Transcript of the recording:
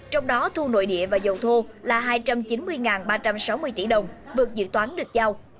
trong đó thu nội địa và dầu thô là hai trăm chín mươi ba trăm sáu mươi tỷ đồng vượt dự toán được giao